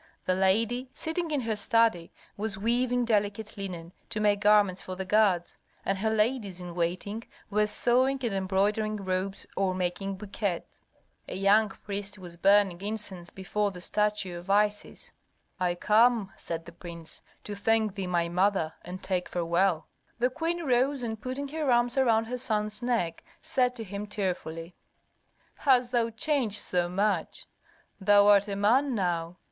The lady, sitting in her study, was weaving delicate linen to make garments for the gods, and her ladies in waiting were sewing and embroidering robes or making bouquets. A young priest was burning incense before the statue of Isis. "I come," said the prince, "to thank thee, my mother, and take farewell." The queen rose and putting her arms around her son's neck, said to him tearfully, "Hast thou changed so much? Thou art a man now!